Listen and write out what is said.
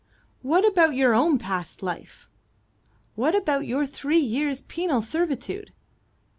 "What about your own past life? What about your three years' penal servitude?"